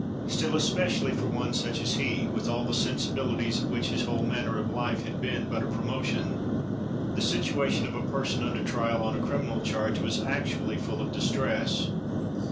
Still, especially for one such as he, with all the sensibilities of which his whole manner of life had been but a promotion, the situation of a person under trial on a criminal charge was actually full of distress.